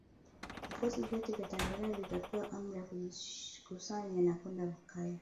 Vikosi vyote vya Tanzania vikapewa amri ya kujikusanya na kwenda Lukaya